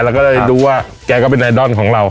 แล้วดูว่าแกก็เป็นไอดอลของเรา